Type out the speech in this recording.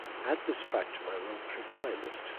add this track to my road trip playlist